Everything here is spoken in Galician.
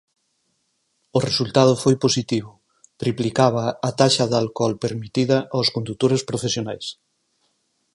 O resultado foi positivo, triplicaba a taxa de alcol permitida aos condutores profesionais.